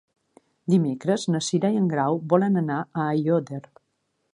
Dimecres na Cira i en Grau volen anar a Aiòder.